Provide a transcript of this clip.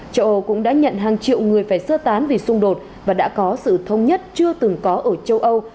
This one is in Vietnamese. châu âu cũng đã nhận hàng triệu người phải sơ tán vì xung đột và đã có sự thông nhất chưa từng có ở châu âu